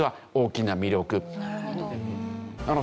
なるほど。